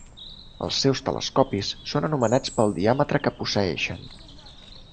Els seus telescopis són anomenats pel diàmetre que posseeixen.